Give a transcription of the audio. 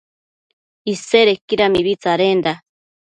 Isedequida mibi tsadenda